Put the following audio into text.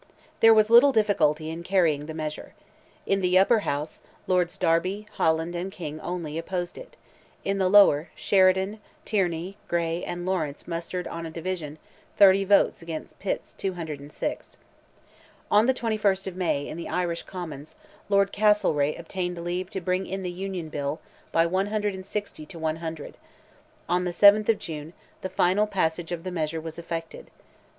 There was little difficulty in carrying the measure. In the Upper House, Lords Derby, Holland, and King only opposed it; in the Lower, Sheridan, Tierney, Grey, and Lawrence mustered on a division, 30 votes against Pitt's 206. On the 21st of May, in the Irish Commons, Lord Castlereagh obtained leave to bring in the Union Bill by 160 to 100; on the 7th of June the final passage of the measure was effected.